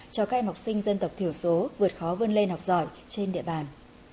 cho các em học sinh dân tộc thiểu số vượt khó vươn lên học giỏi trên địa bàn